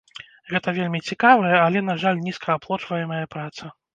Гэта вельмі цікавая, але, на жаль, нізкааплочваемая праца.